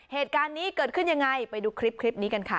เหตุการณ์นี้เกิดขึ้นยังไงไปดูคลิปนี้กันค่ะ